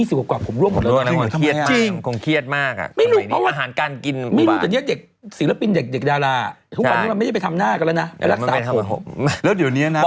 แล้วรักษาผมบอกมันก็อย่ารักษาเลย